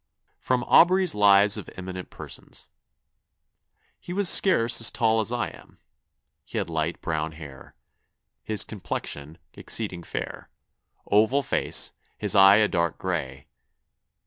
'" [Sidenote: Aubrey's Lives of Eminent Persons.] "He was scarce as tall as I am. He had light browne hayre. His complexion exceeding fayre. Ovall face, his eie a darke gray.